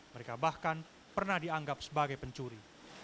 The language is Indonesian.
mereka bahkan pernah dianggap sebagai pencuri